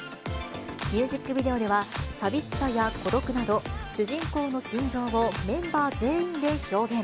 ミュージックビデオでは寂しさや孤独など、主人公の心情をメンバー全員で表現。